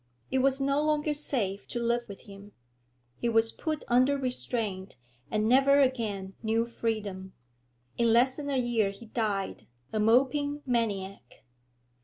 It was no longer safe to live with him; he was put under restraint, and never again knew freedom. In less than a year he died, a moping maniac.